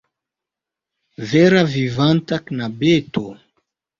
Vera vivanta knabeto!